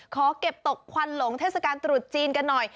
ขอเก็บตกควันหลงเทศกาลตรุษจีนกันหน่อย